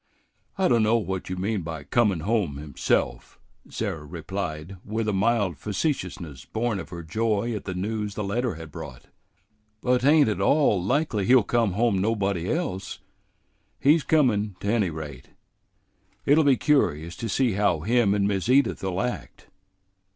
"I dunno what you mean by comin' home himself," Sarah replied, with a mild facetiousness born of her joy at the news the letter had brought; "but 't ain't at all likely he'll come home nobody else. He's comin', 't any rate. It'll be curious to see how him and Miss Edith 'll act.